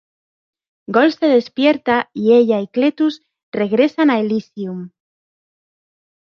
Goal se despierta, y ella y Cletus regresan a Elysium.